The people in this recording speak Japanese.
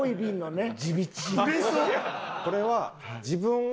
これは。